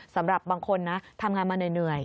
สำหรับบางคนนะทำงานมาเหนื่อย